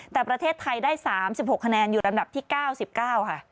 แต่ประเทศไทยได้๓๖ขนาดอยู่รังดับที่๙๙ค่ะ